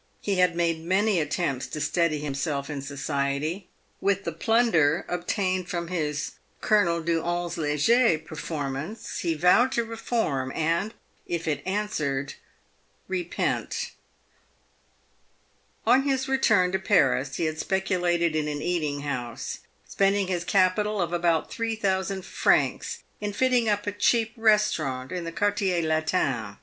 He had made many attempts to steady himself in society. With the plunder obtained from his " Colonel du ll e Leger" performance he vowed to reform, and, if it answered, repent. On his return to Paris, he had speculated in an eating house, spending his capital of about three thousand francs in fitting up a cheap restaurant in the " Quar iier Latin."